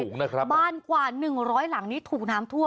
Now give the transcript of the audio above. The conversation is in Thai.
สูงนะครับบ้านกว่าหนึ่งร้อยหลังนี้ถูกน้ำท่วม